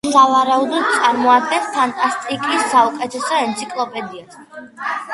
სავარაუდოდ წარმოადგენს ფანტასტიკის საუკეთესო ენციკლოპედიას.